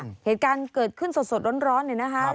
เหตุการณ์เกิดขึ้นสดร้อนเนี่ยนะคะ